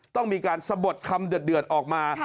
ต้องมีการสะบดคำเดือดออกมา